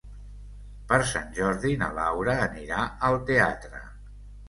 Per Sant Jordi na Laura anirà al teatre.